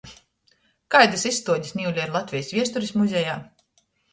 Kaidys izstuodis niule ir Latvejis Viesturis muzejā?